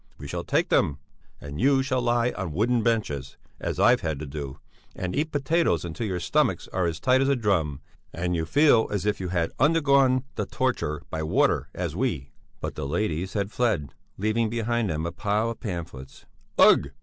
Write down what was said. We shall take them! And you shall lie on wooden benches, as I've had to do, and eat potatoes until your stomachs are as tight as a drum and you feel as if you had undergone the torture by water, as we...." But the ladies had fled, leaving behind them a pile of pamphlets. "Ugh!